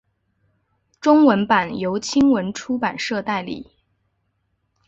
中文版由青文出版社代理。